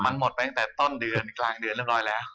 มันหมดไปตั้งแต่ต้นเดือนกลางเดือนเรียบร้อยแล้ว